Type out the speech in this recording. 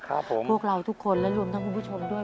พวกเราทุกคนและรวมทั้งคุณผู้ชมด้วย